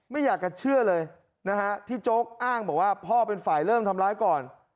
ไม่อยากจะเชื่อเลยนะฮะที่โจ๊กอ้างบอกว่าพ่อเป็นฝ่ายเริ่มทำร้ายก่อน